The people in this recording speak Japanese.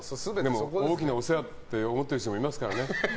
大きなお世話と思っている人もいますからね。